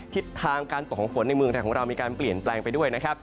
ทิศทางการตกของฝนในเมืองไทยของเรามีการเปลี่ยนแปลงไปด้วยนะครับ